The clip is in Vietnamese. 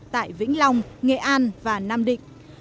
tại vĩnh long nghệ an và nam định